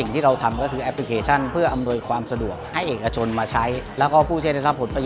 ภายในงานยังมีการจัดสมนา